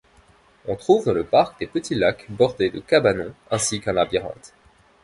On trouve dans le parc des petits lacs bordés de cabanons, ainsi qu'un labyrinthe.